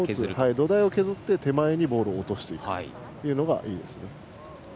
土台を削って手前にボールを落としていくのがいいですね。